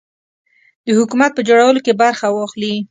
د حکومت په جوړولو کې برخه واخلي.